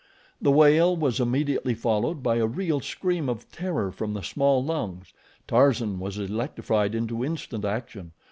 The wail was immediately followed by a real scream of terror from the small lungs. Tarzan was electrified into instant action.